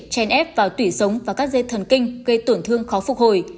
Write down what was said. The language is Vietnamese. chèn ép vào tủy sống và các dây thần kinh gây tổn thương khó phục hồi